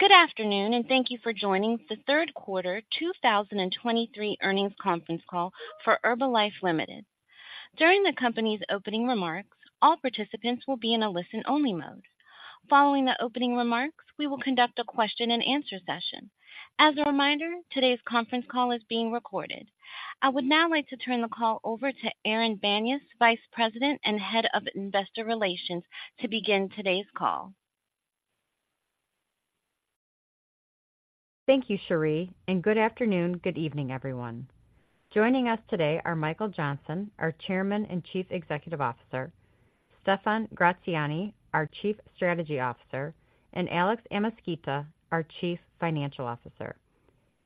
Good afternoon, and thank you for joining the Q3 2023 Earnings Conference Call for Herbalife Ltd. During the company's opening remarks, all participants will be in a listen-only mode. Following the opening remarks, we will conduct a question-and-answer session. As a reminder, today's conference call is being recorded. I would now like to turn the call over to Erin Banyas, Vice President and Head of Investor Relations, to begin today's call. Thank you, Cherie, and good afternoon. Good evening, everyone. Joining us today are Michael Johnson, our Chairman and Chief Executive Officer, Stephan Gratziani, our Chief Strategy Officer, and Alex Amezquita, our Chief Financial Officer.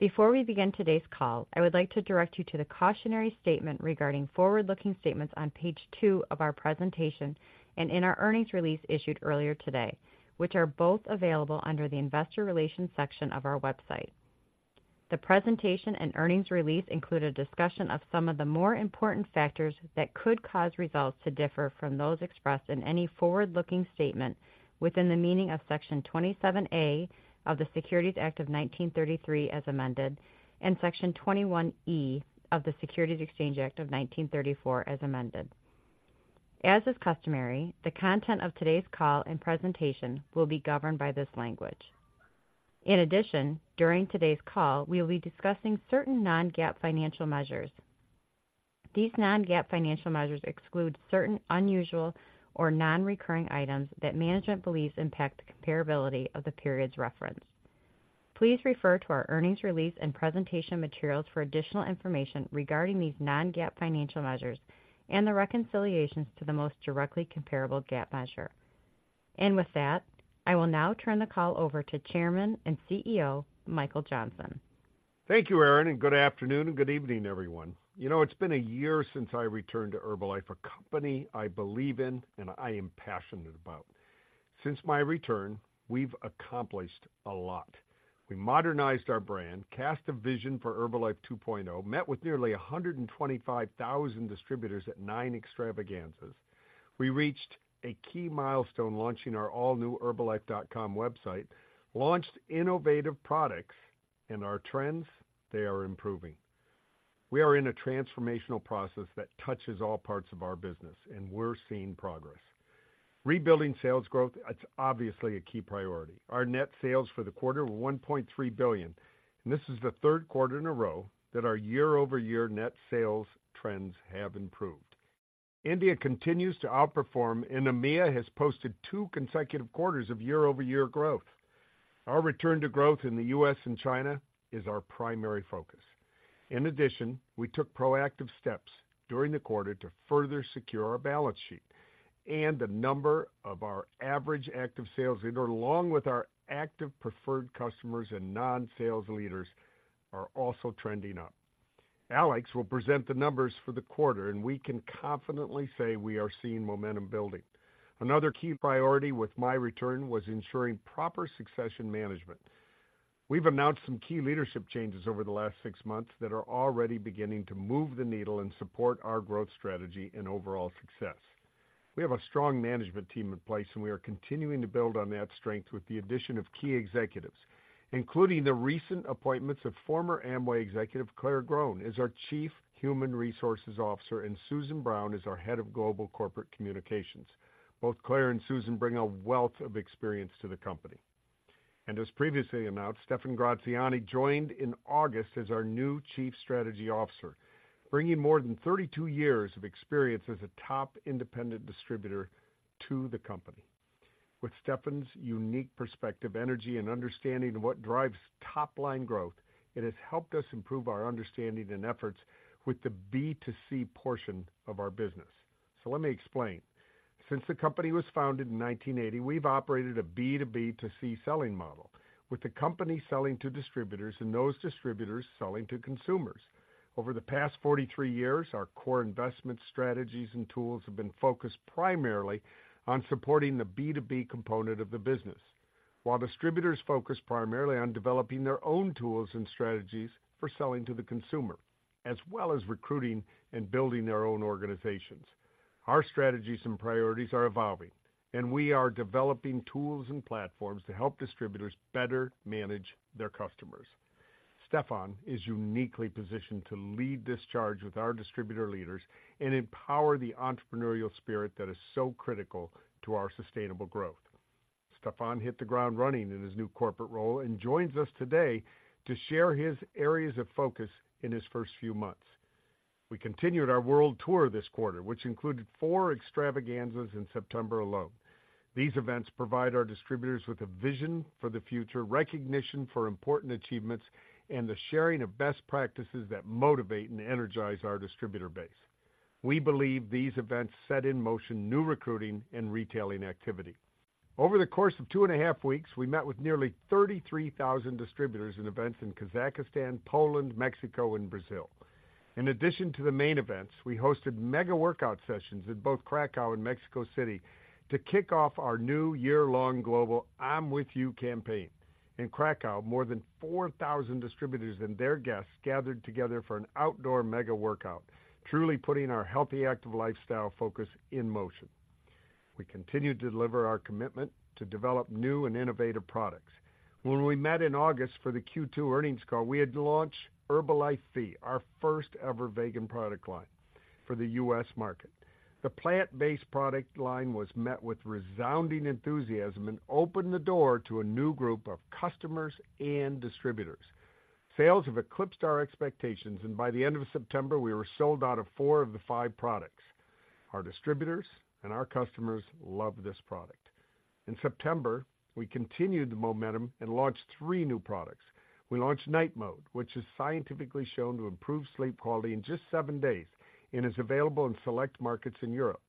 Before we begin today's call, I would like to direct you to the cautionary statement regarding forward-looking statements on page two of our presentation and in our earnings release issued earlier today, which are both available under the Investor Relations section of our website. The presentation and earnings release include a discussion of some of the more important factors that could cause results to differ from those expressed in any forward-looking statement within the meaning of Section 27A of the Securities Act of 1933, as amended, and Section 21E of the Securities Exchange Act of 1934, as amended. As is customary, the content of today's call and presentation will be governed by this language. In addition, during today's call, we will be discussing certain non-GAAP financial measures. These non-GAAP financial measures exclude certain unusual or non-recurring items that management believes impact the comparability of the period's reference. Please refer to our earnings release and presentation materials for additional information regarding these non-GAAP financial measures and the reconciliations to the most directly comparable GAAP measure. With that, I will now turn the call over to Chairman and CEO, Michael Johnson. Thank you, Erin, and good afternoon and good evening, everyone. You know, it's been a year since I returned to Herbalife, a company I believe in and I am passionate about. Since my return, we've accomplished a lot. We modernized our brand, cast a vision for Herbalife 2.0, met with nearly 125,000 distributors at nine Extravaganzas. We reached a key milestone, launching our all-new herbalife.com website, launched innovative products, and our trends, they are improving. We are in a transformational process that touches all parts of our business, and we're seeing progress. Rebuilding sales growth, that's obviously a key priority. Our net sales for the quarter were $1.3 billion, and this is the Q3 in a row that our year-over-year net sales trends have improved. India continues to outperform, and EMEA has posted two consecutive quarters of year-over-year growth. Our return to growth in the U.S. and China is our primary focus. In addition, we took proactive steps during the quarter to further secure our balance sheet, and the number of our average active sales leader, along with our active preferred customers and non-sales leaders, are also trending up. Alex will present the numbers for the quarter, and we can confidently say we are seeing momentum building. Another key priority with my return was ensuring proper succession management. We've announced some key leadership changes over the last six months that are already beginning to move the needle and support our growth strategy and overall success. We have a strong management team in place, and we are continuing to build on that strength with the addition of key executives, including the recent appointments of former Amway executive, Claire Groen, as our Chief Human Resources Officer, and Susan Brown as our Head of Global Corporate Communications. Both Claire and Susan bring a wealth of experience to the company. And as previously announced, Stephan Gratziani joined in August as our new Chief Strategy Officer, bringing more than 32 years of experience as a top independent distributor to the company. With Stephan's unique perspective, energy, and understanding of what drives top-line growth, it has helped us improve our understanding and efforts with the B2C portion of our business. So let me explain. Since the company was founded in 1980, we've operated a B2B to C selling model, with the company selling to distributors and those distributors selling to consumers. Over the past 43 years, our core investment strategies and tools have been focused primarily on supporting the B2B component of the business, while distributors focus primarily on developing their own tools and strategies for selling to the consumer, as well as recruiting and building their own organizations. Our strategies and priorities are evolving, and we are developing tools and platforms to help distributors better manage their customers. Stephan is uniquely positioned to lead this charge with our distributor leaders and empower the entrepreneurial spirit that is so critical to our sustainable growth. Stephan hit the ground running in his new corporate role and joins us today to share his areas of focus in his first few months. We continued our world tour this quarter, which included four Extravaganzas in September alone. These events provide our distributors with a vision for the future, recognition for important achievements, and the sharing of best practices that motivate and energize our distributor base. We believe these events set in motion new recruiting and retailing activity. Over the course of 2.5 weeks, we met with nearly 33,000 distributors in events in Kazakhstan, Poland, Mexico, and Brazil. In addition to the main events, we hosted mega workout sessions in both Krakow and Mexico City to kick off our new year-long global I'm With You campaign. In Kraków, more than 4,000 distributors and their guests gathered together for an outdoor mega workout, truly putting our healthy, active lifestyle focus in motion. We continue to deliver our commitment to develop new and innovative products. When we met in August for the Q2 Earnings Call, we had launched Herbalife V, our first-ever vegan product line for the US market. The plant-based product line was met with resounding enthusiasm and opened the door to a new group of customers and distributors. Sales have eclipsed our expectations, and by the end of September, we were sold out of four of the five products. Our distributors and our customers love this product. In September, we continued the momentum and launched three new products. We launched Night Mode, which is scientifically shown to improve sleep quality in just seven days and is available in select markets in Europe.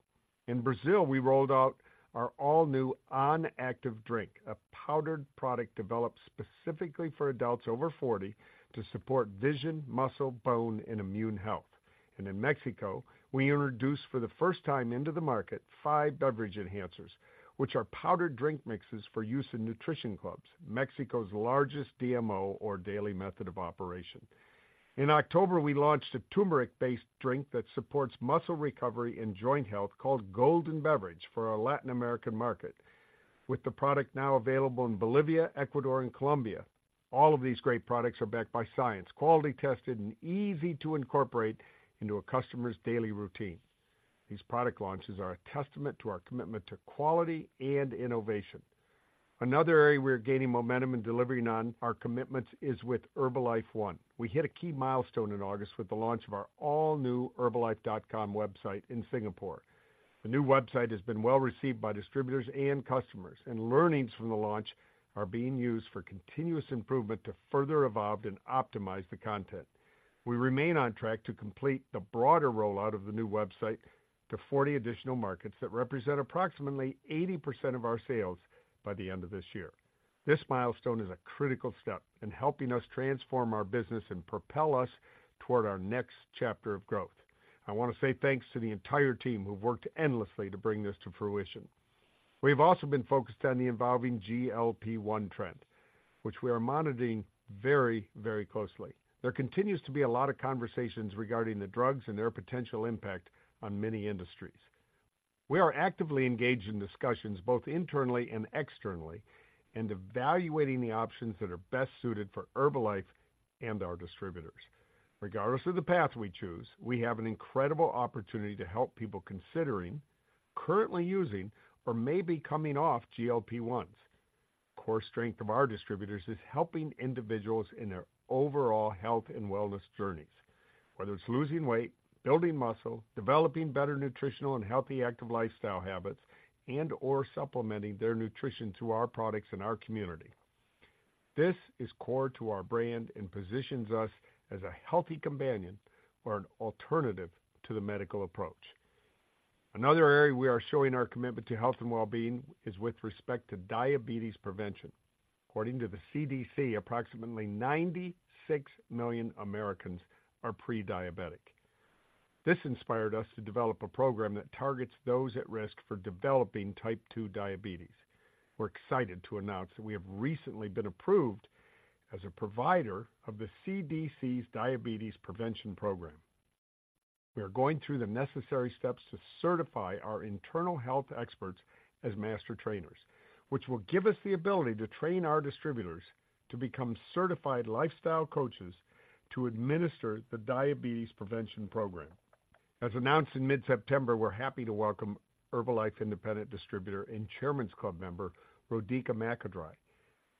In Brazil, we rolled out our all-new OnActive Drink, a powdered product developed specifically for adults over forty to support vision, muscle, bone, and immune health. In Mexico, we introduced for the first time into the market five beverage enhancers, which are powdered drink mixes for use in Nutrition Clubs, Mexico's largest DMO or Daily Method of Operation. In October, we launched a turmeric-based drink that supports muscle recovery and joint health called Golden Beverage for our Latin American market, with the product now available in Bolivia, Ecuador, and Colombia. All of these great products are backed by science, quality tested, and easy to incorporate into a customer's daily routine. These product launches are a testament to our commitment to quality and innovation. Another area we are gaining momentum and delivering on our commitments is with Herbalife One. We hit a key milestone in August with the launch of our all-new herbalife.com website in Singapore. The new website has been well-received by distributors and customers, and learnings from the launch are being used for continuous improvement to further evolve and optimize the content. We remain on track to complete the broader rollout of the new website to 40 additional markets that represent approximately 80% of our sales by the end of this year. This milestone is a critical step in helping us transform our business and propel us toward our next chapter of growth. I want to say thanks to the entire team who've worked endlessly to bring this to fruition. We've also been focused on the evolving GLP-1 trend, which we are monitoring very, very closely. There continues to be a lot of conversations regarding the drugs and their potential impact on many industries. We are actively engaged in discussions, both internally and externally, and evaluating the options that are best suited for Herbalife and our distributors. Regardless of the path we choose, we have an incredible opportunity to help people considering, currently using, or maybe coming off GLP-1s. Core strength of our distributors is helping individuals in their overall health and wellness journeys, whether it's losing weight, building muscle, developing better nutritional and healthy active lifestyle habits, and/or supplementing their nutrition through our products and our community. This is core to our brand and positions us as a healthy companion or an alternative to the medical approach. Another area we are showing our commitment to health and well-being is with respect to diabetes prevention. According to the CDC, approximately 96 million Americans are pre-diabetic. This inspired us to develop a program that targets those at risk for developing type two diabetes. We're excited to announce that we have recently been approved as a provider of the CDC's Diabetes Prevention Program. We are going through the necessary steps to certify our internal health experts as Master Trainers, which will give us the ability to train our distributors to become certified lifestyle coaches to administer the Diabetes Prevention Program. As announced in mid-September, we're happy to welcome Herbalife independent distributor and Chairman's Club member, Rodica Macadrai,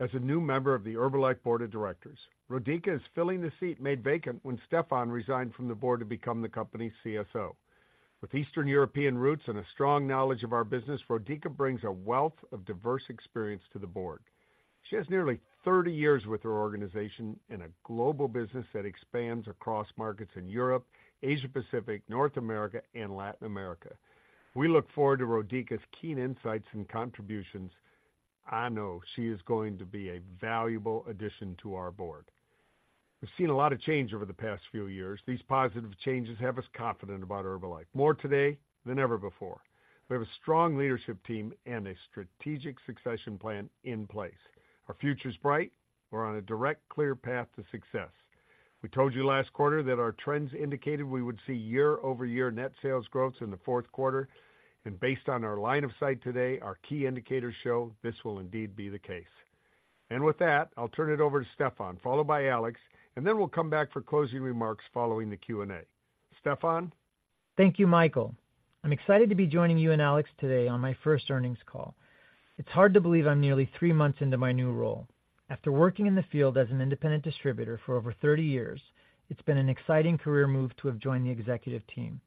as a new member of the Herbalife Board of Directors. Rodica is filling the seat made vacant when Stephan Gratziani resigned from the board to become the company's CSO. With Eastern European roots and a strong knowledge of our business, Rodica brings a wealth of diverse experience to the board. She has nearly 30 years with her organization in a global business that expands across markets in Europe, Asia-Pacific, North America, and Latin America. We look forward to Rodica's keen insights and contributions. I know she is going to be a valuable addition to our board. We've seen a lot of change over the past few years. These positive changes have us confident about Herbalife, more today than ever before. We have a strong leadership team and a strategic succession plan in place. Our future is bright. We're on a direct, clear path to success. We told you last quarter that our trends indicated we would see year-over-year net sales growth in the Q4, and based on our line of sight today, our key indicators show this will indeed be the case. And with that, I'll turn it over to Stephan, followed by Alex, and then we'll come back for closing remarks following the Q&A. Stephan? Thank you, Michael. I'm excited to be joining you and Alex today on my first earnings call. It's hard to believe I'm nearly three months into my new role. After working in the field as an independent distributor for over 30 years, it's been an exciting career move to have joined the executive team.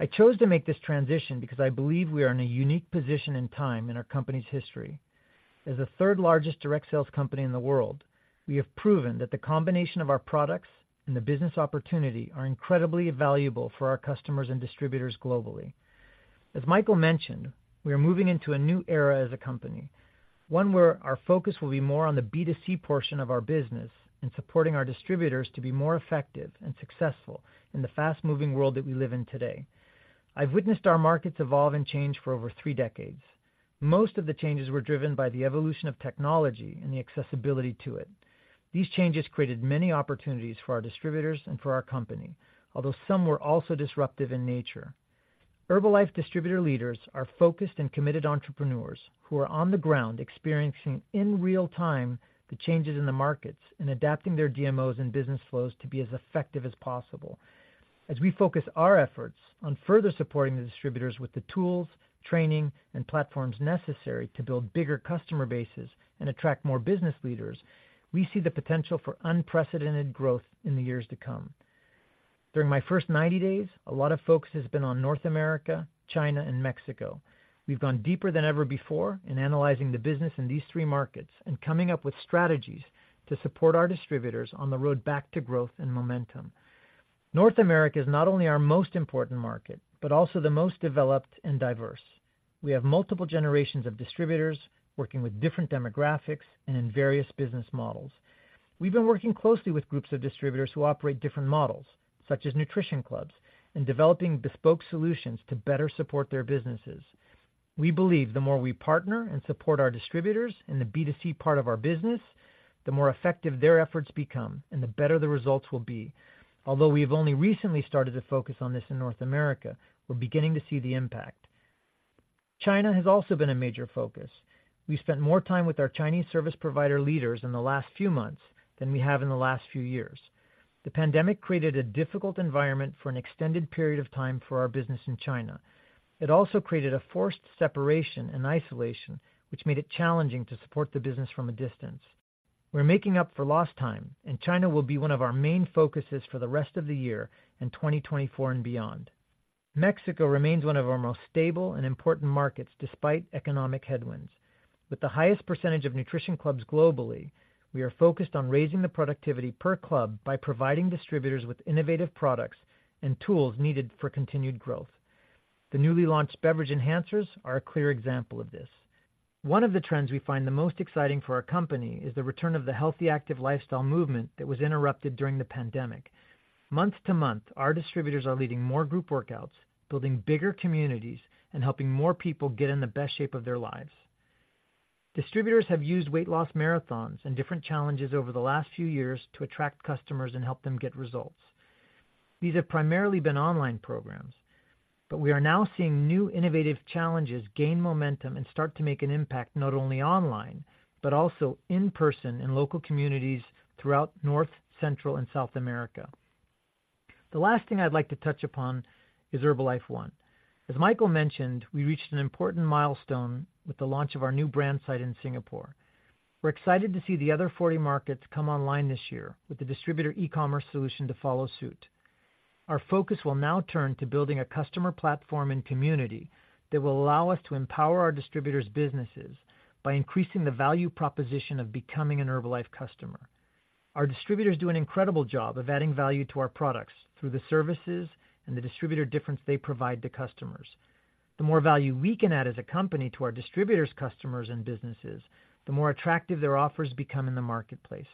I chose to make this transition because I believe we are in a unique position and time in our company's history. As the third largest direct sales company in the world, we have proven that the combination of our products and the business opportunity are incredibly valuable for our customers and distributors globally. As Michael mentioned, we are moving into a new era as a company, one where our focus will be more on the B2C portion of our business and supporting our distributors to be more effective and successful in the fast-moving world that we live in today. I've witnessed our markets evolve and change for over three decades.... Most of the changes were driven by the evolution of technology and the accessibility to it. These changes created many opportunities for our distributors and for our company, although some were also disruptive in nature. Herbalife distributor leaders are focused and committed entrepreneurs who are on the ground experiencing in real time the changes in the markets and adapting their DMOs and business flows to be as effective as possible. As we focus our efforts on further supporting the distributors with the tools, training, and platforms necessary to build bigger customer bases and attract more business leaders, we see the potential for unprecedented growth in the years to come. During my first 90 days, a lot of focus has been on North America, China, and Mexico. We've gone deeper than ever before in analyzing the business in these three markets and coming up with strategies to support our distributors on the road back to growth and momentum. North America is not only our most important market, but also the most developed and diverse. We have multiple generations of distributors working with different demographics and in various business models. We've been working closely with groups of distributors who operate different models, such as Nutrition Clubs, and developing bespoke solutions to better support their businesses. We believe the more we partner and support our distributors in the B2C part of our business, the more effective their efforts become and the better the results will be. Although we have only recently started to focus on this in North America, we're beginning to see the impact. China has also been a major focus. We've spent more time with our Chinese service provider leaders in the last few months than we have in the last few years. The pandemic created a difficult environment for an extended period of time for our business in China. It also created a forced separation and isolation, which made it challenging to support the business from a distance. We're making up for lost time, and China will be one of our main focuses for the rest of the year, in 2024 and beyond. Mexico remains one of our most stable and important markets despite economic headwinds. With the highest percentage of Nutrition Clubs globally, we are focused on raising the productivity per club by providing distributors with innovative products and tools needed for continued growth. The newly launched Beverage Enhancers are a clear example of this. One of the trends we find the most exciting for our company is the return of the healthy, active lifestyle movement that was interrupted during the pandemic. Month-to-month, our distributors are leading more group workouts, building bigger communities, and helping more people get in the best shape of their lives. Distributors have used weight loss marathons and different challenges over the last few years to attract customers and help them get results. These have primarily been online programs, but we are now seeing new innovative challenges gain momentum and start to make an impact, not only online, but also in person in local communities throughout North, Central, and South America. The last thing I'd like to touch upon is Herbalife One. As Michael mentioned, we reached an important milestone with the launch of our new brand site in Singapore. We're excited to see the other 40 markets come online this year with the distributor e-commerce solution to follow suit. Our focus will now turn to building a customer platform and community that will allow us to empower our distributors' businesses by increasing the value proposition of becoming an Herbalife customer. Our distributors do an incredible job of adding value to our products through the services and the distributor difference they provide to customers. The more value we can add as a company to our distributors, customers, and businesses, the more attractive their offers become in the marketplace.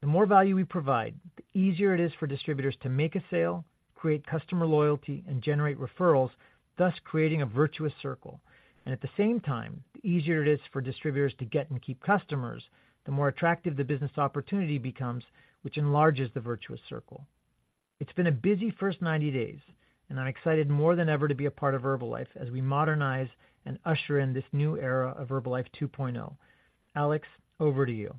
The more value we provide, the easier it is for distributors to make a sale, create customer loyalty, and generate referrals, thus creating a virtuous circle. And at the same time, the easier it is for distributors to get and keep customers, the more attractive the business opportunity becomes, which enlarges the virtuous circle. It's been a busy first 90 days, and I'm excited more than ever to be a part of Herbalife as we modernize and usher in this new era of Herbalife 2.0. Alex, over to you.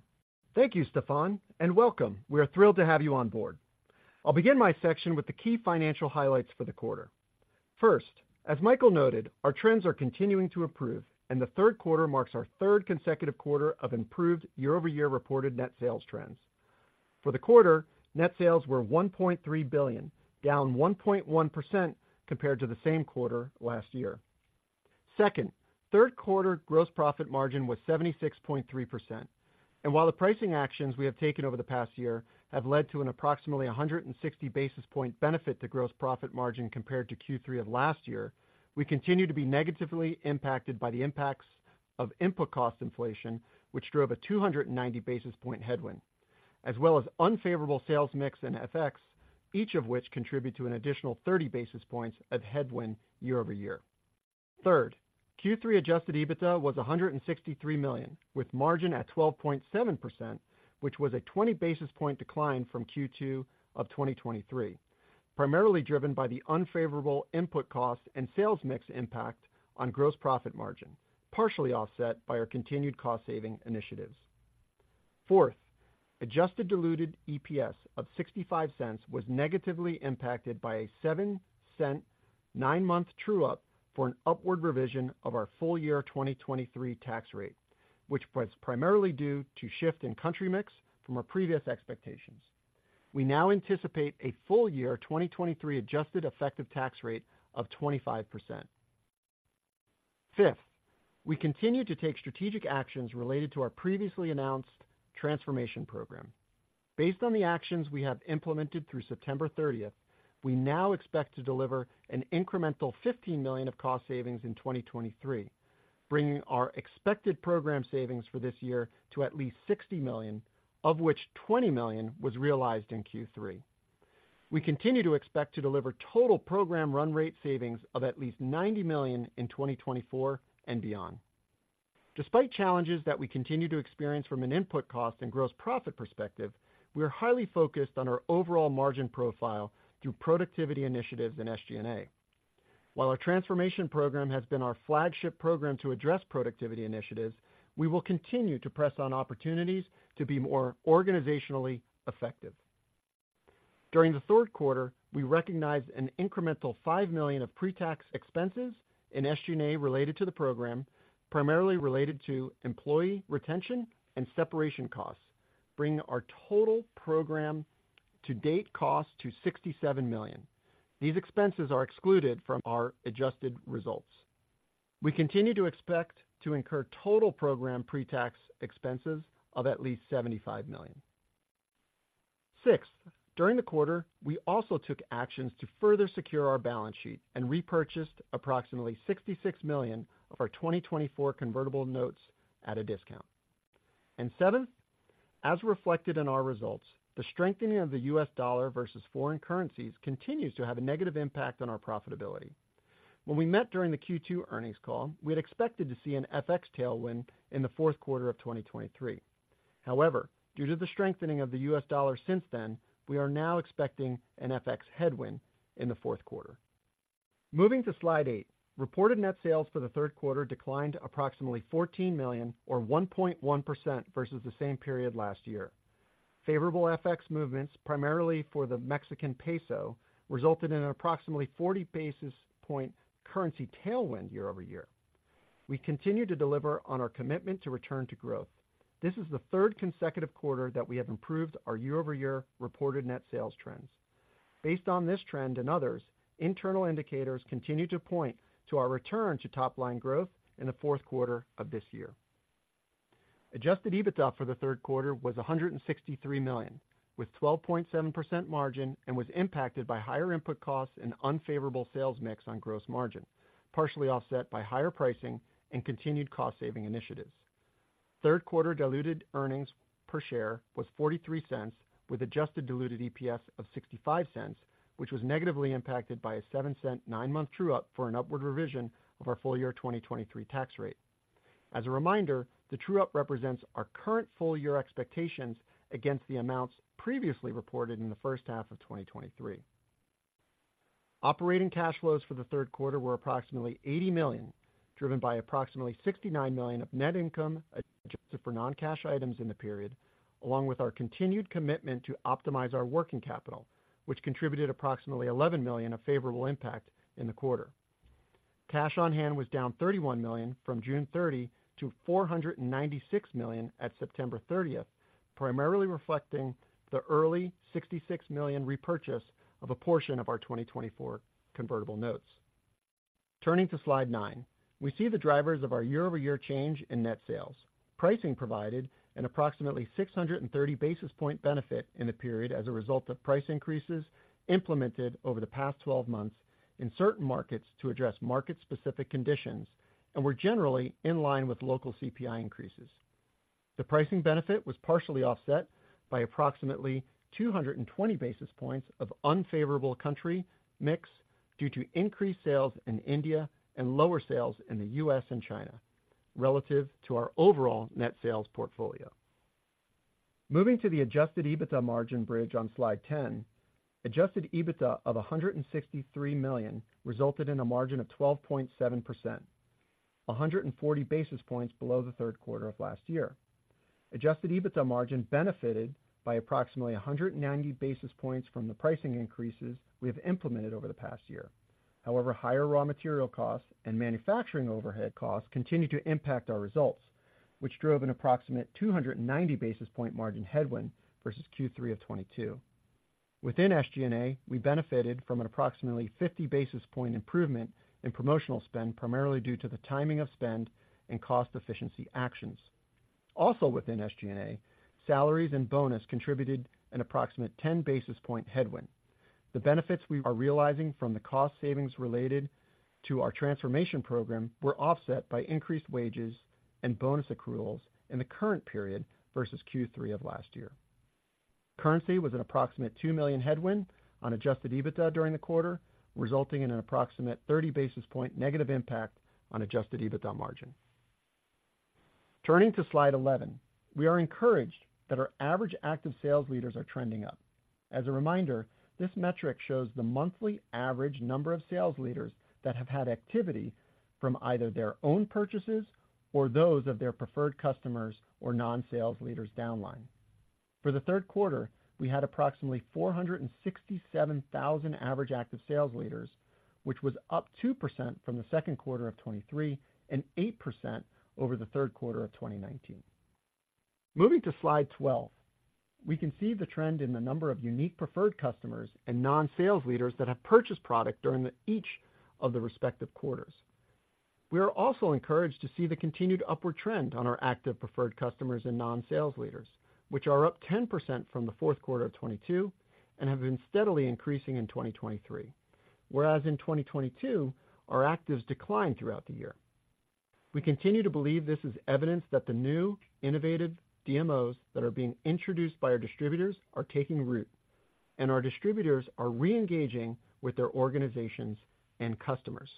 Thank you, Stephan, and welcome. We are thrilled to have you on board. I'll begin my section with the key financial highlights for the quarter. First, as Michael noted, our trends are continuing to improve, and the Q3 marks our third consecutive quarter of improved year-over-year reported net sales trends. For the quarter, net sales were $1.3 billion, down 1.1% compared to the same quarter last year. Second, Q3 gross profit margin was 76.3%, and while the pricing actions we have taken over the past year have led to an approximately 160 basis point benefit to gross profit margin compared to Q3 of last year, we continue to be negatively impacted by the impacts of input cost inflation, which drove a 290 basis point headwind, as well as unfavorable sales mix and FX, each of which contribute to an additional 30 basis points of headwind year-over-year. Third, Q3 adjusted EBITDA was $163 million, with margin at 12.7%, which was a 20 basis point decline from Q2 of 2023, primarily driven by the unfavorable input costs and sales mix impact on gross profit margin, partially offset by our continued cost-saving initiatives. Fourth, adjusted diluted EPS of $0.65 was negatively impacted by a $0.07, 9-month true-up for an upward revision of our full year 2023 tax rate, which was primarily due to shift in country mix from our previous expectations. We now anticipate a full year 2023 adjusted effective tax rate of 25%. Fifth, we continue to take strategic actions related to our previously announced transformation program. Based on the actions we have implemented through September 30, we now expect to deliver an incremental $15 million of cost savings in 2023, bringing our expected program savings for this year to at least $60 million, of which $20 million was realized in Q3.... We continue to expect to deliver total program run rate savings of at least $90 million in 2024 and beyond. Despite challenges that we continue to experience from an input cost and gross profit perspective, we are highly focused on our overall margin profile through productivity initiatives in SG&A. While our transformation program has been our flagship program to address productivity initiatives, we will continue to press on opportunities to be more organizationally effective. During the Q3, we recognized an incremental $5 million of pre-tax expenses in SG&A related to the program, primarily related to employee retention and separation costs, bringing our total program to date cost to $67 million. These expenses are excluded from our adjusted results. We continue to expect to incur total program pre-tax expenses of at least $75 million. Sixth, during the quarter, we also took actions to further secure our balance sheet and repurchased approximately $66 million of our 2024 convertible notes at a discount. As reflected in our results, the strengthening of the US dollar versus foreign currencies continues to have a negative impact on our profitability. When we met during the Q2 Earnings Call, we had expected to see an FX tailwind in the Q4 of 2023. However, due to the strengthening of the US dollar since then, we are now expecting an FX headwind in the Q4. Moving to Slide eight, reported net sales for the Q3 declined approximately $14 million or 1.1% versus the same period last year. Favorable FX movements, primarily for the Mexican peso, resulted in an approximately 40 basis point currency tailwind year-over-year. We continue to deliver on our commitment to return to growth. This is the third consecutive quarter that we have improved our year-over-year reported net sales trends. Based on this trend and others, internal indicators continue to point to our return to top-line growth in the Q4 of this year. Adjusted EBITDA for the Q3 was $163 million, with 12.7% margin, and was impacted by higher input costs and unfavorable sales mix on gross margin, partially offset by higher pricing and continued cost-saving initiatives. Third quarter diluted EPS was $0.43, with adjusted diluted EPS of $0.65, which was negatively impacted by a $0.07, nine-month true-up for an upward revision of our full year 2023 tax rate. As a reminder, the true-up represents our current full-year expectations against the amounts previously reported in the first half of 2023. Operating cash flows for the Q3 were approximately $80 million, driven by approximately $69 million of net income adjusted for non-cash items in the period, along with our continued commitment to optimize our working capital, which contributed approximately $11 million of favorable impact in the quarter. Cash on hand was down $31 million from June 30 to $496 million at September 30, primarily reflecting the early $66 million repurchase of a portion of our 2024 convertible notes. Turning to Slide nine, we see the drivers of our year-over-year change in net sales. Pricing provided an approximately 630 basis point benefit in the period as a result of price increases implemented over the past 12 months in certain markets to address market-specific conditions and were generally in line with local CPI increases. The pricing benefit was partially offset by approximately 220 basis points of unfavorable country mix due to increased sales in India and lower sales in the US and China relative to our overall net sales portfolio. Moving to the adjusted EBITDA margin bridge on Slide 10, adjusted EBITDA of $163 million resulted in a margin of 12.7%, 140 basis points below the Q3 of last year. Adjusted EBITDA margin benefited by approximately 190 basis points from the pricing increases we have implemented over the past year. However, higher raw material costs and manufacturing overhead costs continued to impact our results, which drove an approximate 290 basis point margin headwind versus Q3 of 2022. Within SG&A, we benefited from an approximately 50 basis points improvement in promotional spend, primarily due to the timing of spend and cost efficiency actions. Also within SG&A, salaries and bonus contributed an approximate 10 basis points headwind. The benefits we are realizing from the cost savings related to our transformation program were offset by increased wages and bonus accruals in the current period versus Q3 of last year. Currency was an approximate $2 million headwind on adjusted EBITDA during the quarter, resulting in an approximate 30 basis points negative impact on adjusted EBITDA margin. Turning to Slide 11, we are encouraged that our average active sales leaders are trending up. As a reminder, this metric shows the monthly average number of sales leaders that have had activity from either their own purchases or those of their preferred customers or non-sales leaders downline. For the Q3, we had approximately 467,000 average active Sales Leaders, which was up 2% from the Q2 of 2023 and 8% over the Q3 of 2019. Moving to Slide 12, we can see the trend in the number of unique Preferred Customers and non-Sales Leaders that have purchased product during each of the respective quarters. We are also encouraged to see the continued upward trend on our active Preferred Customers and non-Sales Leaders, which are up 10% from the Q4 of 2022 and have been steadily increasing in 2023, whereas in 2022, our actives declined throughout the year. We continue to believe this is evidence that the new innovative DMOs that are being introduced by our distributors are taking root, and our distributors are reengaging with their organizations and customers.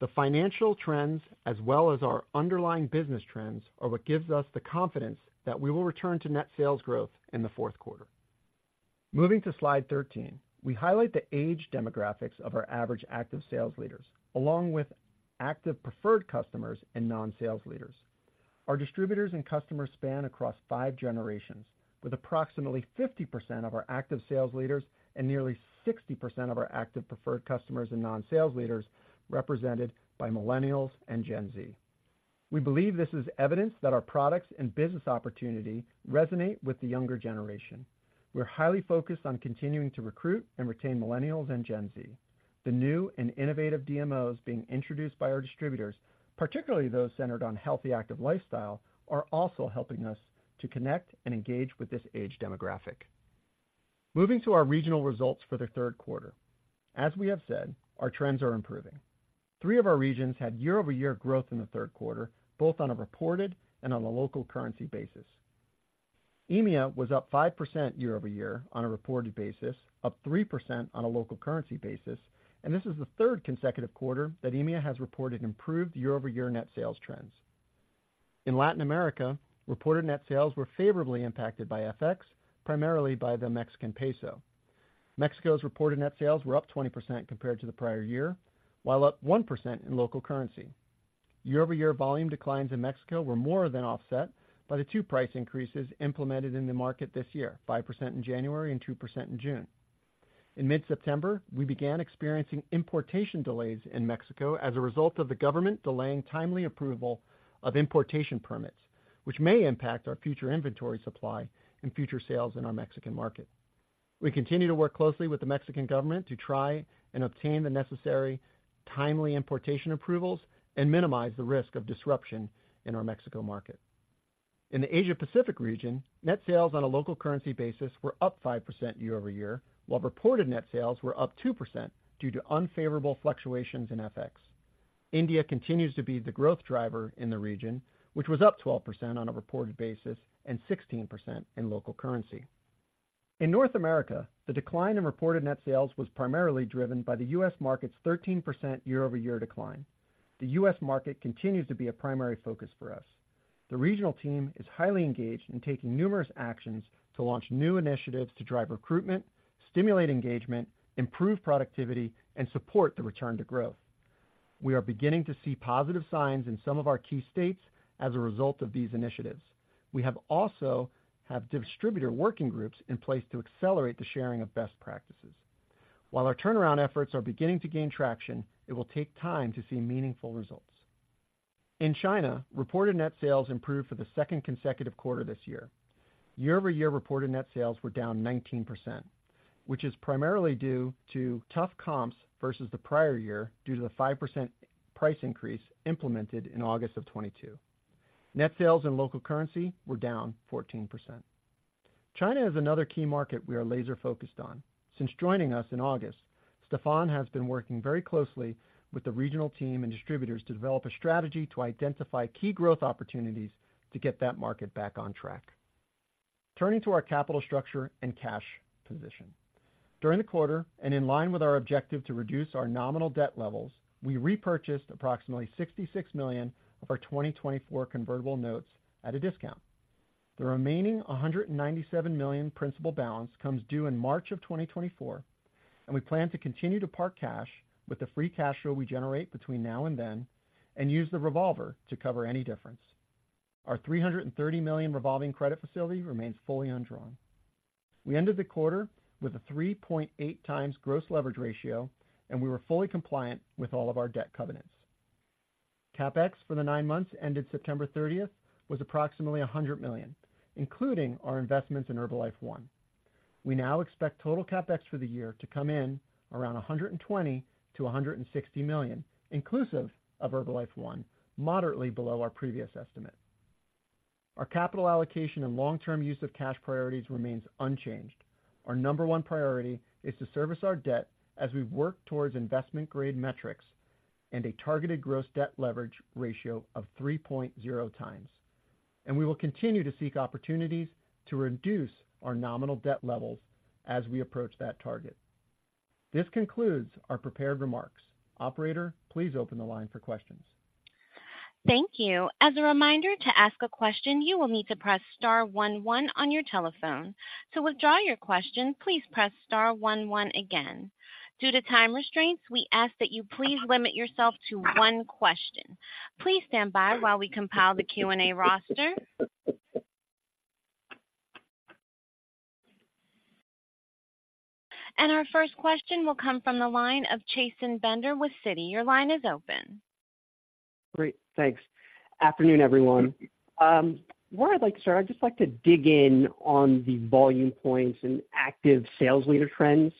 The financial trends, as well as our underlying business trends, are what gives us the confidence that we will return to net sales growth in the Q4. Moving to Slide 13. We highlight the age demographics of our average active Sales Leaders, along with active Preferred Customers and non-sales leaders. Our distributors and customers span across five generations, with approximately 50% of our active Sales Leaders and nearly 60% of our active Preferred Customers and non-sales leaders represented by Millennials and Gen Z. We believe this is evidence that our products and business opportunity resonate with the younger generation. We're highly focused on continuing to recruit and retain Millennials and Gen Z. The new and innovative DMOs being introduced by our distributors, particularly those centered on healthy, active lifestyle, are also helping us to connect and engage with this age demographic. Moving to our regional results for the Q3. As we have said, our trends are improving. Three of our regions had year-over-year growth in the Q3, both on a reported and on a local currency basis. EMEA was up 5% year-over-year on a reported basis, up 3% on a local currency basis, and this is the third consecutive quarter that EMEA has reported improved year-over-year net sales trends. In Latin America, reported net sales were favorably impacted by FX, primarily by the Mexican peso. Mexico's reported net sales were up 20% compared to the prior year, while up 1% in local currency. Year-over-year volume declines in Mexico were more than offset by the two price increases implemented in the market this year, 5% in January and 2% in June. In mid-September, we began experiencing importation delays in Mexico as a result of the government delaying timely approval of importation permits, which may impact our future inventory supply and future sales in our Mexican market. We continue to work closely with the Mexican government to try and obtain the necessary timely importation approvals and minimize the risk of disruption in our Mexico market. In the Asia-Pacific region, net sales on a local currency basis were up 5% year-over-year, while reported net sales were up 2% due to unfavorable fluctuations in FX. India continues to be the growth driver in the region, which was up 12% on a reported basis and 16% in local currency. In North America, the decline in reported net sales was primarily driven by the U.S. market's 13% year-over-year decline. The U.S. market continues to be a primary focus for us. The regional team is highly engaged in taking numerous actions to launch new initiatives to drive recruitment, stimulate engagement, improve productivity, and support the return to growth. We are beginning to see positive signs in some of our key states as a result of these initiatives. We also have distributor working groups in place to accelerate the sharing of best practices. While our turnaround efforts are beginning to gain traction, it will take time to see meaningful results. In China, reported net sales improved for the second consecutive quarter this year. Year-over-year reported net sales were down 19%, which is primarily due to tough comps versus the prior year due to the 5% price increase implemented in August of 2022. Net sales in local currency were down 14%. China is another key market we are laser focused on. Since joining us in August, Stephan has been working very closely with the regional team and distributors to develop a strategy to identify key growth opportunities to get that market back on track. Turning to our capital structure and cash position. During the quarter, and in line with our objective to reduce our nominal debt levels, we repurchased approximately $66 million of our 2024 convertible notes at a discount. The remaining $197 million principal balance comes due in March 2024, and we plan to continue to park cash with the free cash flow we generate between now and then and use the revolver to cover any difference. Our $330 million revolving credit facility remains fully undrawn. We ended the quarter with a 3.8x gross leverage ratio, and we were fully compliant with all of our debt covenants. CapEx for the nine months ended September 30 was approximately $100 million, including our investments in Herbalife One. We now expect total CapEx for the year to come in around $120-160 million, inclusive of Herbalife One, moderately below our previous estimate. Our capital allocation and long-term use of cash priorities remains unchanged. Our number one priority is to service our debt as we work towards investment-grade metrics and a targeted gross debt leverage ratio of 3.0x. And we will continue to seek opportunities to reduce our nominal debt levels as we approach that target. This concludes our prepared remarks. Operator, please open the line for questions. Thank you. As a reminder, to ask a question, you will need to press star one one on your telephone. To withdraw your question, please press star one one again. Due to time restraints, we ask that you please limit yourself to one question. Please stand by while we compile the Q&A roster. Our first question will come from the line of Chasen Bender with Citi. Your line is open. Great. Thanks. Afternoon, everyone. Where I'd like to start, I'd just like to dig in on the volume points and active sales leader trends.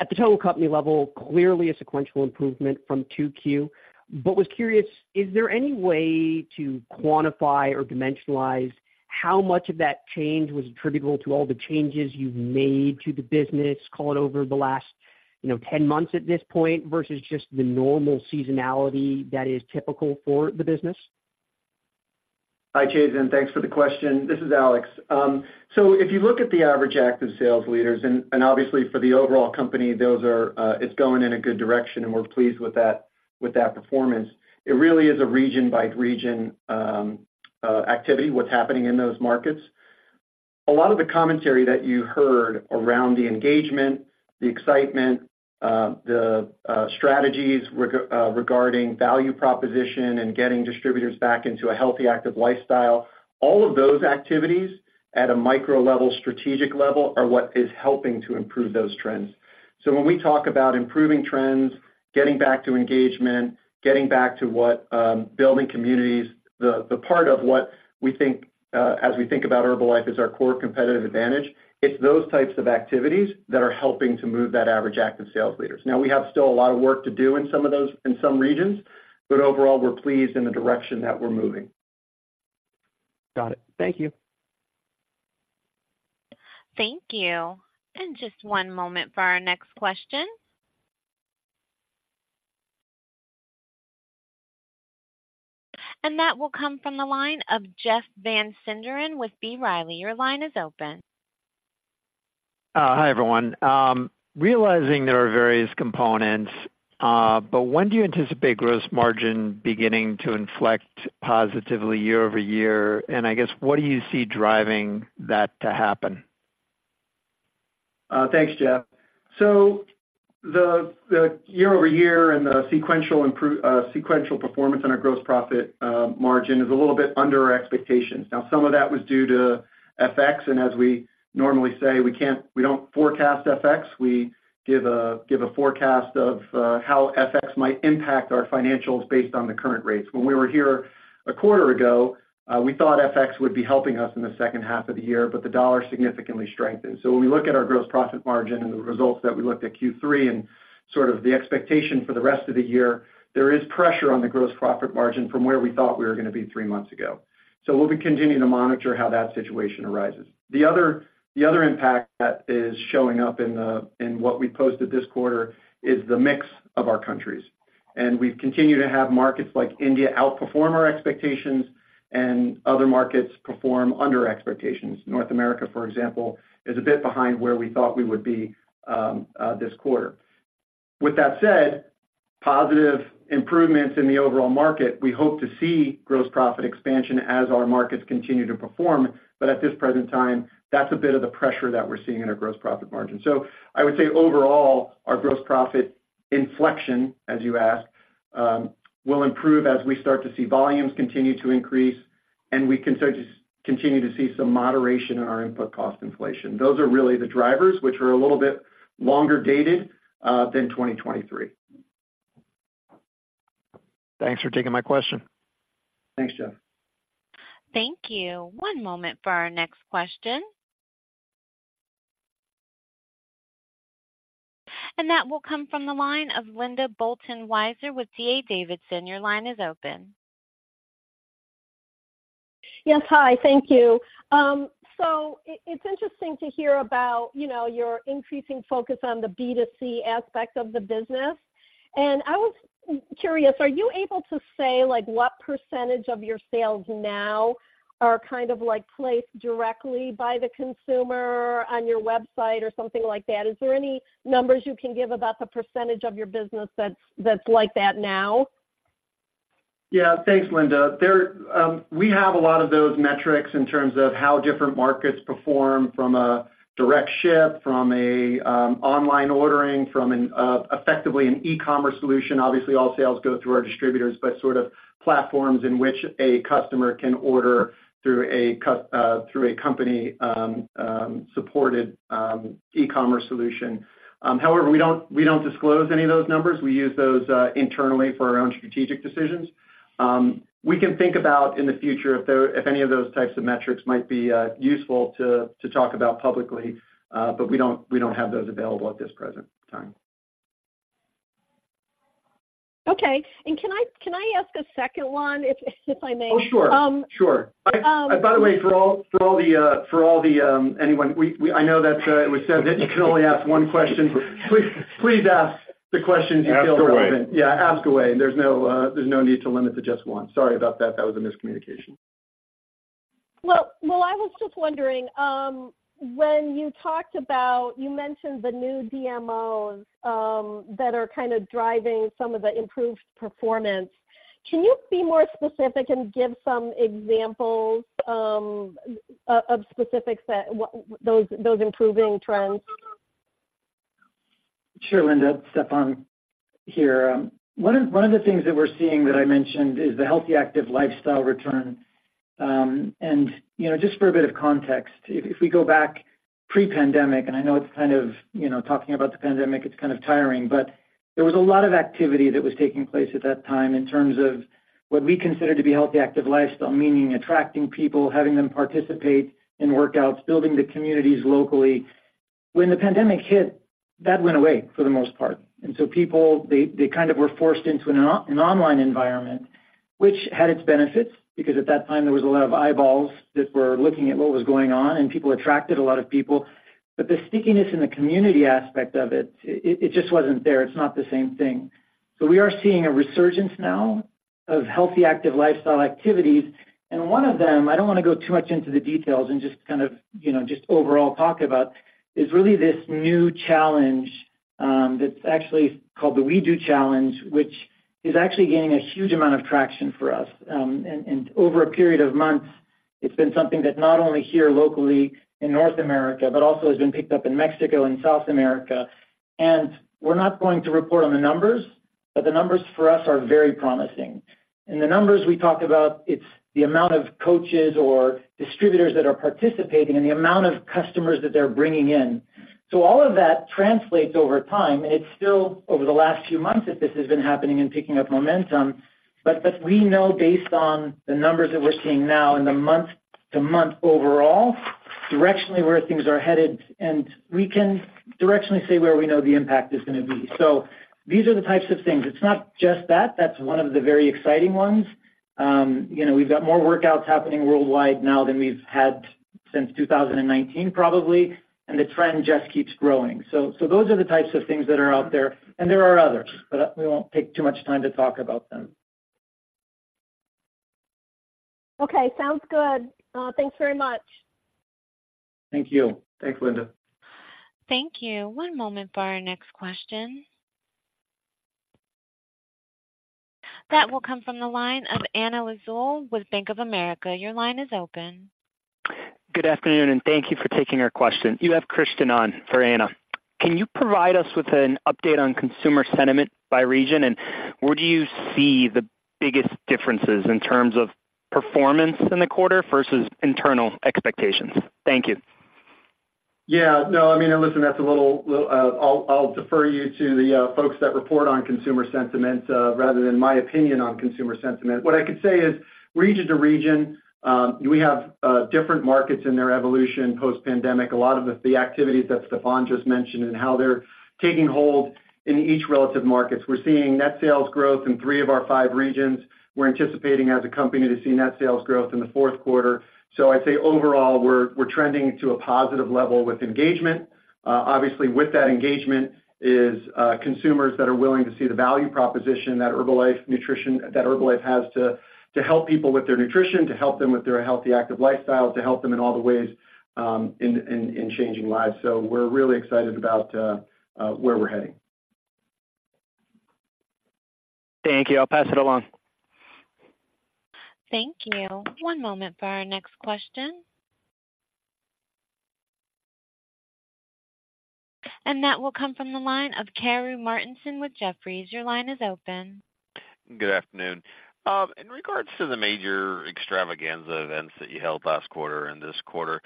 At the total company level, clearly a sequential improvement from 2Q, but was curious, is there any way to quantify or dimensionalize how much of that change was attributable to all the changes you've made to the business, call it over the last, you know, ten months at this point, versus just the normal seasonality that is typical for the business? Hi, Chasen, thanks for the question. This is Alex. So if you look at the average active sales leaders, and obviously for the overall company, those are, it's going in a good direction, and we're pleased with that, with that performance. It really is a region-by-region activity, what's happening in those markets. A lot of the commentary that you heard around the engagement, the excitement, the strategies regarding value proposition and getting distributors back into a healthy, active lifestyle, all of those activities at a micro level, strategic level, are what is helping to improve those trends. So when we talk about improving trends, getting back to engagement, getting back to building communities, the part of what we think as we think about Herbalife is our core competitive advantage, it's those types of activities that are helping to move that average active Sales Leaders. Now, we have still a lot of work to do in some of those in some regions, but overall, we're pleased in the direction that we're moving. Got it. Thank you. Thank you. Just one moment for our next question. That will come from the line of Jeff Van Sinderen with B. Riley. Your line is open. Hi, everyone. Realizing there are various components, but when do you anticipate gross margin beginning to inflect positively year-over-year? And I guess, what do you see driving that to happen? Thanks, Jeff. So the year-over-year and the sequential performance on our gross profit margin is a little bit under our expectations. Now, some of that was due to FX, and as we normally say, we don't forecast FX. We give a forecast of how FX might impact our financials based on the current rates. When we were here a quarter ago, we thought FX would be helping us in the second half of the year, but the dollar significantly strengthened. So when we look at our gross profit margin and the results that we looked at Q3 and sort of the expectation for the rest of the year, there is pressure on the gross profit margin from where we thought we were gonna be three months ago. So we'll be continuing to monitor how that situation arises. The other impact that is showing up in what we posted this quarter is the mix of our countries. And we've continued to have markets like India outperform our expectations and other markets perform under expectations. North America, for example, is a bit behind where we thought we would be this quarter. With that said, positive improvements in the overall market, we hope to see gross profit expansion as our markets continue to perform, but at this present time, that's a bit of the pressure that we're seeing in our gross profit margin. So I would say overall, our gross profit inflection, as you ask, will improve as we start to see volumes continue to increase, and we can start to continue to see some moderation in our input cost inflation. Those are really the drivers, which are a little bit longer dated, than 2023. Thanks for taking my question. Thanks, Jeff. Thank you. One moment for our next question. That will come from the line of Linda Bolton Weiser with D.A. Davidson. Your line is open. Yes. Hi, thank you. So it's interesting to hear about, you know, your increasing focus on the B2C aspect of the business. And I was curious, are you able to say, like, what percentage of your sales now are kind of, like, placed directly by the consumer on your website or something like that? Is there any numbers you can give about the percentage of your business that's, that's like that now? Yeah. Thanks, Linda. There, we have a lot of those metrics in terms of how different markets perform from a direct ship, from a, online ordering, from an, effectively an e-commerce solution. Obviously, all sales go through our distributors, but sort of platforms in which a customer can order through a company supported e-commerce solution. However, we don't, we don't disclose any of those numbers. We use those, internally for our own strategic decisions. We can think about in the future, if there, if any of those types of metrics might be, useful to, to talk about publicly, but we don't, we don't have those available at this present time. Okay. Can I ask a second one, if I may? Oh, sure. Um- Sure. Um- By the way, for all, for all the, for all the, anyone, we, we... I know that we said that you can only ask one question. Please, please ask the questions you feel are relevant. Ask away. Yeah, ask away. There's no need to limit to just one. Sorry about that. That was a miscommunication. Well, I was just wondering, when you talked about... You mentioned the new DMOs that are kind of driving some of the improved performance. Can you be more specific and give some examples of specifics that those improving trends? Sure, Linda. Stephan here. One of the things that we're seeing that I mentioned is the healthy active lifestyle return. And, you know, just for a bit of context, if we go back pre-pandemic, and I know it's kind of, you know, talking about the pandemic, it's kind of tiring, but there was a lot of activity that was taking place at that time in terms of what we consider to be healthy active lifestyle, meaning attracting people, having them participate in workouts, building the communities locally. When the pandemic hit, that went away for the most part. And so people they kind of were forced into an online environment, which had its benefits, because at that time, there was a lot of eyeballs that were looking at what was going on, and people attracted a lot of people.... but the stickiness and the community aspect of it, it, it just wasn't there. It's not the same thing. So we are seeing a resurgence now of healthy, active lifestyle activities, and one of them, I don't wanna go too much into the details and just kind of, you know, just overall talk about, is really this new challenge, that's actually called WeDo Challenge, which is actually gaining a huge amount of traction for us. And over a period of months, it's been something that not only here locally in North America, but also has been picked up in Mexico and South America. And we're not going to report on the numbers, but the numbers for us are very promising. And the numbers we talked about, it's the amount of coaches or distributors that are participating and the amount of customers that they're bringing in. So all of that translates over time. It's still over the last few months that this has been happening and picking up momentum, but we know based on the numbers that we're seeing now and the month-to-month overall, directionally where things are headed, and we can directionally say where we know the impact is gonna be. So these are the types of things. It's not just that, that's one of the very exciting ones. You know, we've got more workouts happening worldwide now than we've had since 2019, probably, and the trend just keeps growing. So those are the types of things that are out there, and there are others, but we won't take too much time to talk about them. Okay. Sounds good. Thanks very much. Thank you. Thanks, Linda. Thank you. One moment for our next question. That will come from the line of Anna Lizzul with Bank of America. Your line is open. Good afternoon, and thank you for taking our question. You have Christian on for Anna. Can you provide us with an update on consumer sentiment by region, and where do you see the biggest differences in terms of performance in the quarter versus internal expectations? Thank you. Yeah. No, I mean, listen, that's a little-- I'll defer you to the folks that report on consumer sentiment, rather than my opinion on consumer sentiment. What I could say is, region to region, we have different markets in their evolution post-pandemic. A lot of the activities that Stefan just mentioned and how they're taking hold in each relative markets. We're seeing net sales growth in three of our five regions. We're anticipating, as a company, to see net sales growth in the Q4. So I'd say overall, we're trending to a positive level with engagement. Obviously, with that engagement is consumers that are willing to see the value proposition that Herbalife Nutrition—that Herbalife has to help people with their nutrition, to help them with their healthy, active lifestyle, to help them in all the ways, in changing lives. So we're really excited about where we're heading. Thank you. I'll pass it along. Thank you. One moment for our next question. That will come from the line of Karru Martinson with Jefferies. Your line is open. Good afternoon. In regards to the major Extravaganza events that you held last quarter and this quarter,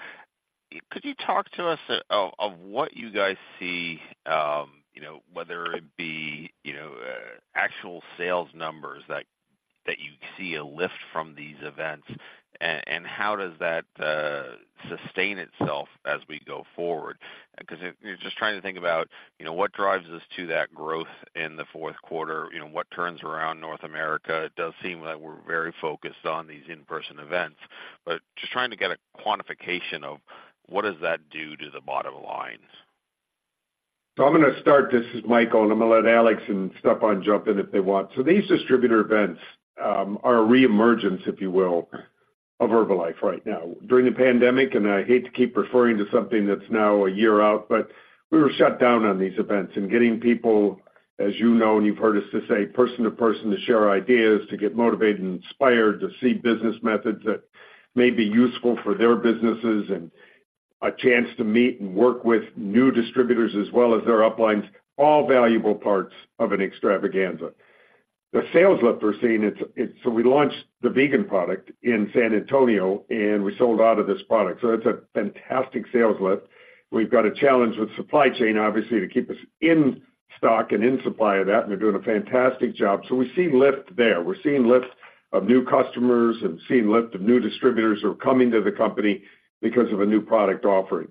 could you talk to us of what you guys see, you know, whether it be, you know, actual sales numbers that you see a lift from these events? And how does that sustain itself as we go forward? Because if you're just trying to think about, you know, what drives us to that growth in the Q4, you know, what turns around North America, it does seem that we're very focused on these in-person events, but just trying to get a quantification of what does that do to the bottom line? So I'm gonna start. This is Michael, and I'm gonna let Alex and Stephan jump in if they want. So these distributor events are a reemergence, if you will, of Herbalife right now. During the pandemic, and I hate to keep referring to something that's now a year out, but we were shut down on these events and getting people, as you know, and you've heard us just say, person to person, to share ideas, to get motivated and inspired, to see business methods that may be useful for their businesses, and a chance to meet and work with new distributors as well as their uplines, all valuable parts of an Extravaganza. The sales lift we're seeing. So we launched the vegan product in San Antonio, and we sold out of this product, so it's a fantastic sales lift. We've got a challenge with supply chain, obviously, to keep us in stock and in supply of that, and they're doing a fantastic job. So we're seeing lift there. We're seeing lift of new customers and seeing lift of new distributors who are coming to the company because of a new product offering.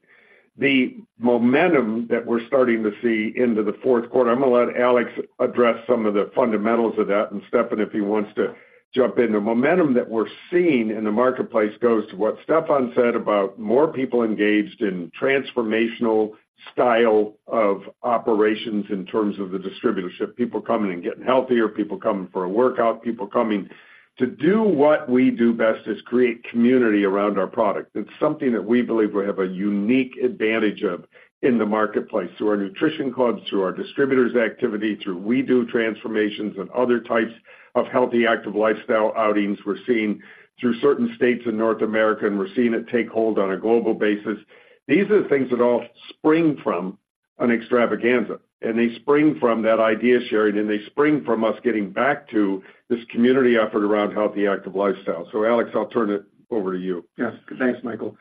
The momentum that we're starting to see into the Q4, I'm gonna let Alex address some of the fundamentals of that, and Stephan, if he wants to jump in. The momentum that we're seeing in the marketplace goes to what Stephan said about more people engaged in transformational style of operations in terms of the distributorship. People coming and getting healthier, people coming for a workout, people coming to do what we do best, is create community around our product. It's something that we believe we have a unique advantage of in the marketplace, through our nutrition clubs, through our distributors' activity, through WeDo transformations and other types of healthy, active lifestyle outings we're seeing through certain states in North America, and we're seeing it take hold on a global basis. These are the things that all spring from an Extravaganza, and they spring from that idea sharing, and they spring from us getting back to this community effort around healthy, active lifestyle. So Alex, I'll turn it over to you. Yes. Thanks, Michael.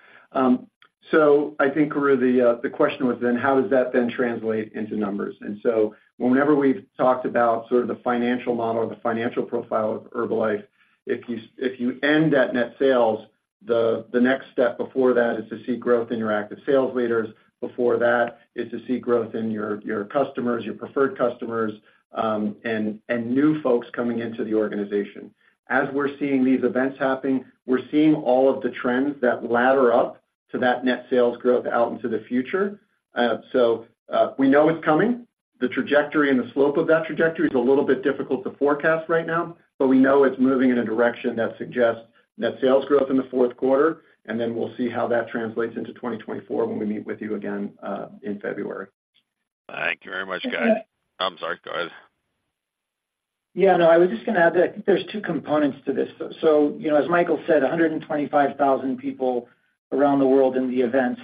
So I think where the question was then, how does that then translate into numbers? And so whenever we've talked about sort of the financial model or the financial profile of Herbalife, if you, if you end at net sales, the next step before that is to see growth in your active sales leaders. Before that, is to see growth in your, your customers, your preferred customers, and new folks coming into the organization. As we're seeing these events happening, we're seeing all of the trends that ladder up to that net sales growth out into the future. So we know it's coming. The trajectory and the slope of that trajectory is a little bit difficult to forecast right now, but we know it's moving in a direction that suggests net sales growth in the Q4, and then we'll see how that translates into 2024 when we meet with you again in February. Thank you very much, guys. I'm sorry, go ahead. Yeah, no, I was just gonna add that there's two components to this. So, you know, as Michael said, 125,000 people around the world in the events.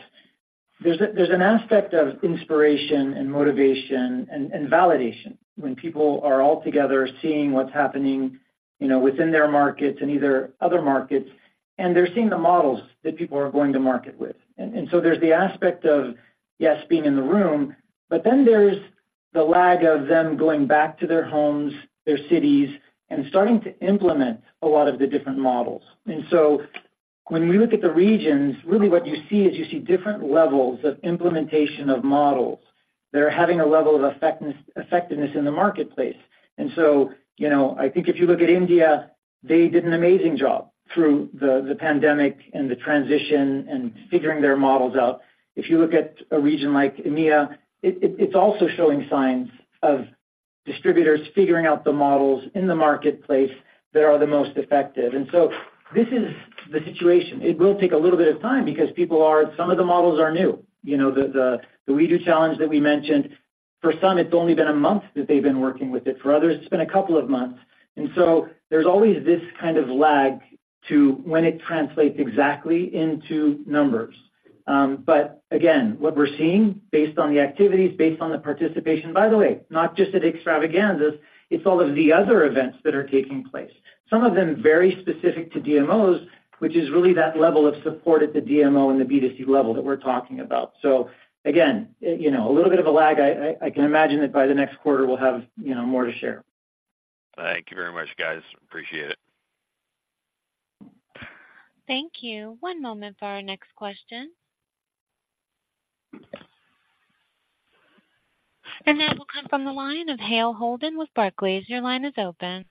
There's a, there's an aspect of inspiration and motivation and, and validation when people are all together, seeing what's happening, you know, within their markets and either other markets, and they're seeing the models that people are going to market with. And, and so there's the aspect of, yes, being in the room, but then there's the lag of them going back to their homes, their cities, and starting to implement a lot of the different models. And so when we look at the regions, really what you see is you see different levels of implementation of models that are having a level of effectiveness in the marketplace. So, you know, I think if you look at India, they did an amazing job through the pandemic and the transition and figuring their models out. If you look at a region like EMEA, it's also showing signs of distributors figuring out the models in the marketplace that are the most effective. And so this is the situation. It will take a little bit of time because people are, some of the models are new. You know, the WeDo Challenge that we mentioned, for some, it's only been a month that they've been working with it. For others, it's been a couple of months. And so there's always this kind of lag to when it translates exactly into numbers. But again, what we're seeing based on the activities, based on the participation, by the way, not just at Extravaganzas, it's all of the other events that are taking place. Some of them very specific to DMOs, which is really that level of support at the DMO and the B2C level that we're talking about. So again, you know, a little bit of a lag. I can imagine that by the next quarter, we'll have, you know, more to share. Thank you very much, guys. Appreciate it. Thank you. One moment for our next question. That will come from the line of Hale Holden with Barclays. Your line is open.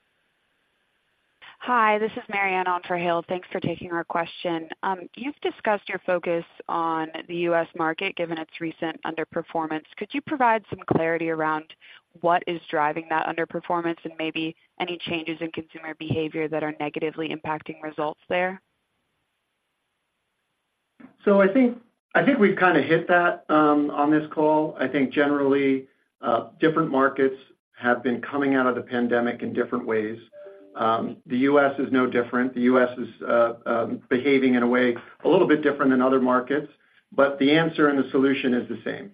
Hi, this is Mary Anne on for Hale. Thanks for taking our question. You've discussed your focus on the US market, given its recent underperformance. Could you provide some clarity around what is driving that underperformance and maybe any changes in consumer behavior that are negatively impacting results there? So I think, I think we've kind of hit that, on this call. I think generally, different markets have been coming out of the pandemic in different ways. The US is no different. The US is, behaving in a way a little bit different than other markets, but the answer and the solution is the same.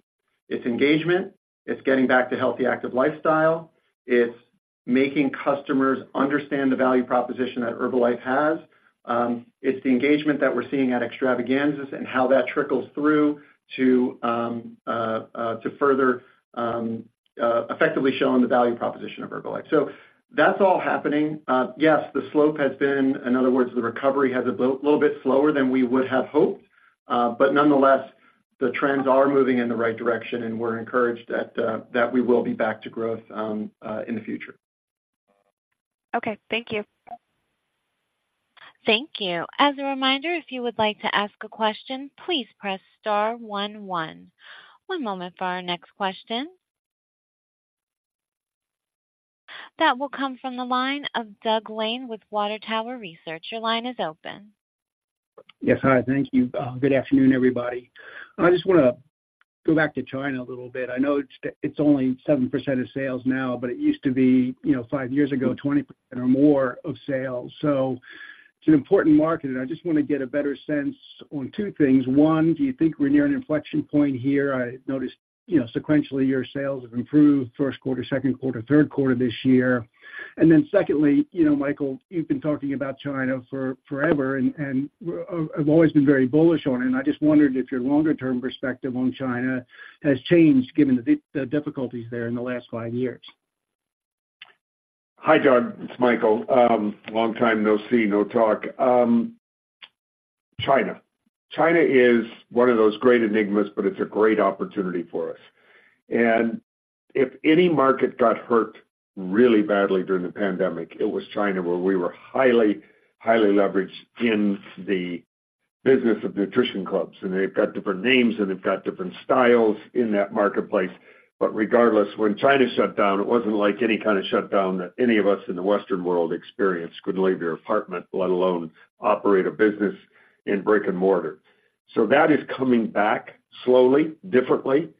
It's engagement, it's getting back to healthy, active lifestyle. It's making customers understand the value proposition that Herbalife has. It's the engagement that we're seeing at Extravaganzas and how that trickles through to, to further, effectively showing the value proposition of Herbalife. So that's all happening. Yes, the slope has been... In other words, the recovery has a little bit slower than we would have hoped, but nonetheless, the trends are moving in the right direction, and we're encouraged that that we will be back to growth in the future. Okay, thank you. Thank you. As a reminder, if you would like to ask a question, please press star one one. One moment for our next question. That will come from the line of Doug Lane with Water Tower Research. Your line is open. Yes. Hi, thank you. Good afternoon, everybody. I just wanna go back to China a little bit. I know it's, it's only 7% of sales now, but it used to be, you know, five years ago, 20% or more of sales. So it's an important market, and I just want to get a better sense on two things. One, do you think we're near an inflection point here? I noticed, you know, sequentially, your sales have improved Q1, Q2, Q3 this year. And then secondly, you know, Michael, you've been talking about China for forever, and, and, have always been very bullish on it, and I just wondered if your longer-term perspective on China has changed, given the, the difficulties there in the last five years. Hi, Doug. It's Michael. Long time, no see, no talk. China. China is one of those great enigmas, but it's a great opportunity for us. And if any market got hurt really badly during the pandemic, it was China, where we were highly, highly leveraged in the business of Nutrition Clubs, and they've got different names, and they've got different styles in that marketplace. But regardless, when China shut down, it wasn't like any kind of shutdown that any of us in the Western world experienced. Couldn't leave your apartment, let alone operate a business in brick and mortar. So that is coming back slowly, differently.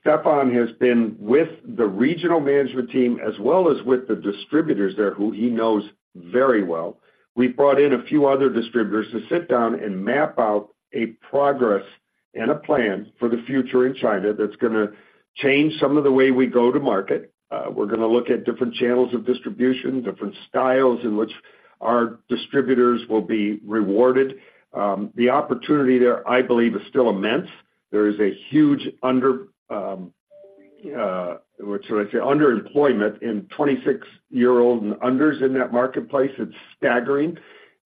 Stephan has been with the regional management team as well as with the distributors there, who he knows very well. We brought in a few other distributors to sit down and map out a progress and a plan for the future in China that's gonna change some of the way we go to market. We're gonna look at different channels of distribution, different styles in which our distributors will be rewarded. The opportunity there, I believe, is still immense. There is a huge underemployment in 26-year-old and unders in that marketplace. It's staggering.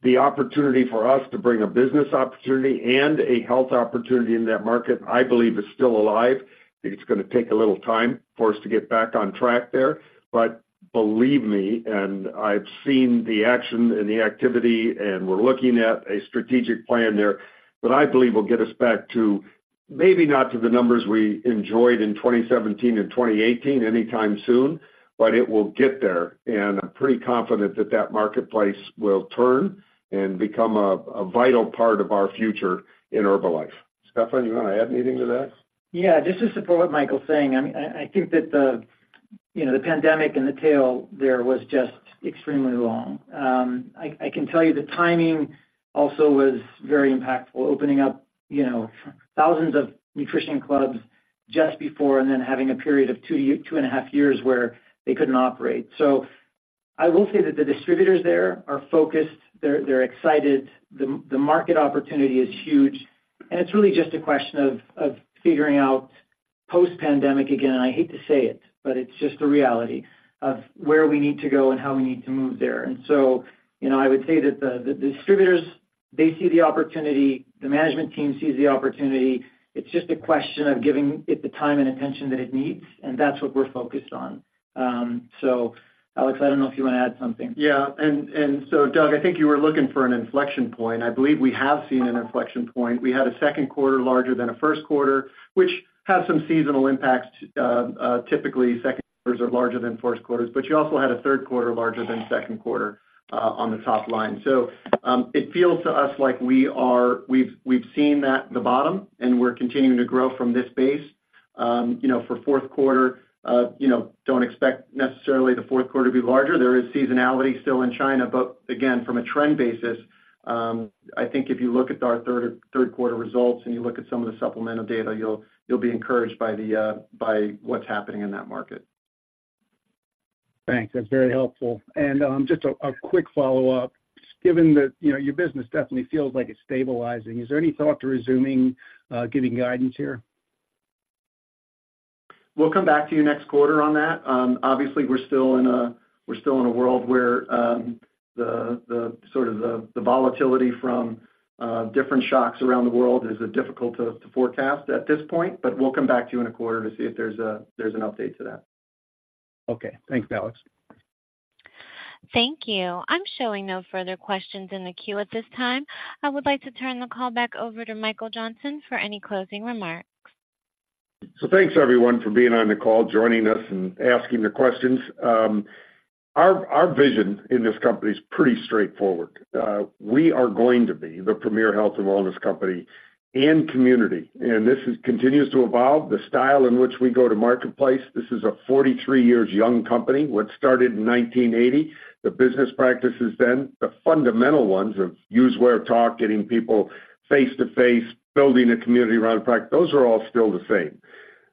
The opportunity for us to bring a business opportunity and a health opportunity in that market, I believe, is still alive. It's gonna take a little time for us to get back on track there, but believe me, and I've seen the action and the activity, and we're looking at a strategic plan there that I believe will get us back to-... Maybe not to the numbers we enjoyed in 2017 and 2018 anytime soon, but it will get there. And I'm pretty confident that that marketplace will turn and become a, a vital part of our future in Herbalife. Stephan, you want to add anything to that? Yeah, just to support what Michael's saying, I think that the, you know, the pandemic and the tail there was just extremely long. I can tell you the timing also was very impactful, opening up, you know, thousands of Nutrition Clubs just before and then having a period of 2.5 years where they couldn't operate. So I will say that the distributors there are focused, they're excited, the market opportunity is huge, and it's really just a question of figuring out post-pandemic, again, I hate to say it, but it's just a reality of where we need to go and how we need to move there. And so, you know, I would say that the distributors, they see the opportunity, the management team sees the opportunity. It's just a question of giving it the time and attention that it needs, and that's what we're focused on. So, Alex, I don't know if you want to add something. Yeah. And so, Doug, I think you were looking for an inflection point. I believe we have seen an inflection point. We had a Q2 larger than a Q1, which had some seasonal impacts. Typically, Q2s are larger than Q1s, but you also had a Q3 larger than Q2 on the top line. So, it feels to us like we are—we've seen that, the bottom, and we're continuing to grow from this base. You know, for Q4, you know, don't expect necessarily the Q4 to be larger. There is seasonality still in China, but again, from a trend basis, I think if you look at our Q3 results and you look at some of the supplemental data, you'll be encouraged by what's happening in that market. Thanks. That's very helpful. And, just a quick follow-up. Given that, you know, your business definitely feels like it's stabilizing, is there any thought to resuming, giving guidance here? We'll come back to you next quarter on that. Obviously, we're still in a world where the sort of volatility from different shocks around the world is difficult to forecast at this point, but we'll come back to you in a quarter to see if there's an update to that. Okay. Thanks, Alex. Thank you. I'm showing no further questions in the queue at this time. I would like to turn the call back over to Michael Johnson for any closing remarks. Thanks, everyone, for being on the call, joining us and asking the questions. Our vision in this company is pretty straightforward. We are going to be the premier health and wellness company and community, and this continues to evolve, the style in which we go to marketplace. This is a 43 years young company. What started in 1980, the business practices then, the fundamental ones of Use, Wear, Talk, getting people face-to-face, building a community around practice, those are all still the same.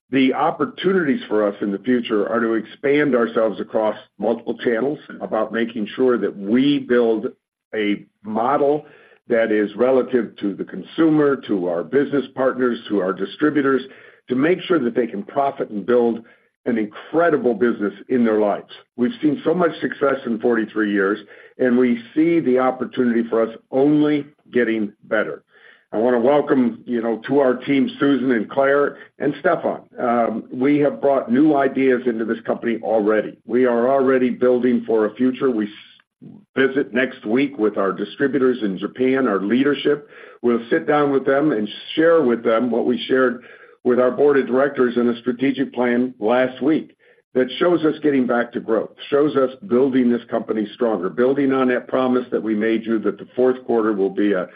The opportunities for us in the future are to expand ourselves across multiple channels, about making sure that we build a model that is relative to the consumer, to our business partners, to our distributors, to make sure that they can profit and build an incredible business in their lives. We've seen so much success in 43 years, and we see the opportunity for us only getting better. I want to welcome, you know, to our team, Susan and Claire and Stephan. We have brought new ideas into this company already. We are already building for a future. We visit next week with our distributors in Japan, our leadership. We'll sit down with them and share with them what we shared with our board of directors in a strategic plan last week that shows us getting back to growth, shows us building this company stronger, building on that promise that we made you, that the Q4 will be a,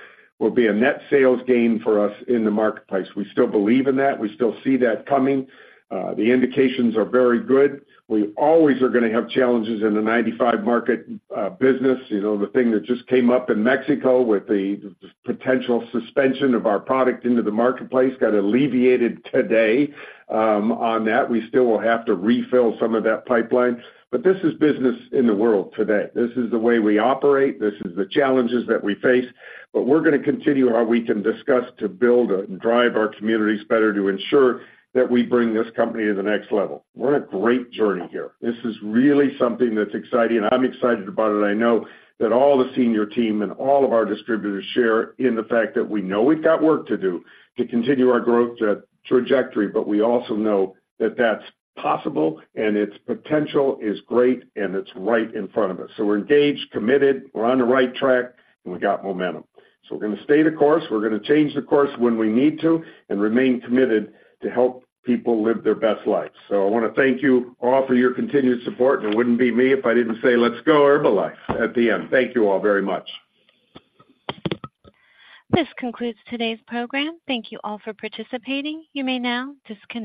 will be a net sales gain for us in the marketplace. We still believe in that. We still see that coming. The indications are very good. We always are gonna have challenges in the 95-market, business. You know, the thing that just came up in Mexico with the potential suspension of our product into the marketplace got alleviated today. On that, we still will have to refill some of that pipeline, but this is business in the world today. This is the way we operate, this is the challenges that we face, but we're gonna continue how we can discuss to build and drive our communities better to ensure that we bring this company to the next level. We're on a great journey here. This is really something that's exciting, and I'm excited about it. I know that all the senior team and all of our distributors share in the fact that we know we've got work to do to continue our growth trajectory, but we also know that that's possible and its potential is great, and it's right in front of us. So we're engaged, committed, we're on the right track, and we've got momentum. So we're gonna stay the course, we're gonna change the course when we need to, and remain committed to help people live their best lives. So I want to thank you all for your continued support, and it wouldn't be me if I didn't say, let's go Herbalife at the end. Thank you all very much. This concludes today's program. Thank you all for participating. You may now disconnect.